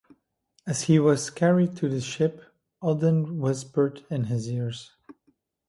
As he was carried to the ship, Odin whispered in his ear.